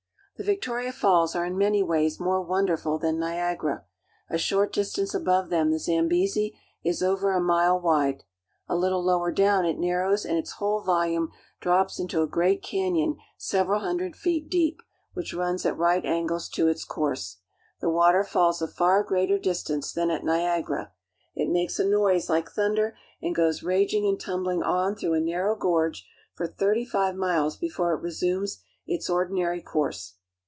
The Victoria Falls are in many ways more wonderful than Niagara. A short distance above them the Zambezi is over a mile wide. A little lower down it narrows and its whole volume drops into a great canyon several hundred feet deep, which runs at right angles to its course. The water falls a far greater distance than at Niagara. It makes a noise like thunder, and goes raging and tumbling on through a narrow gorge for thirty five miles before it resumes its ordinary course.